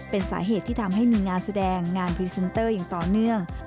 เป็นสาเหตุที่ทำให้มีงานแสดงงานพรีเซนเตอร์อย่างต่อเนื่อง